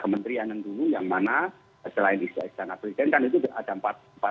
kementerian yang dulu yang mana selain di istana presiden kan itu ada